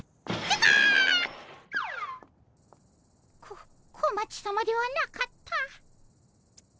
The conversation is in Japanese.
こ小町さまではなかった。